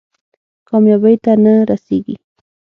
کامیابۍ ته نه رسېږي.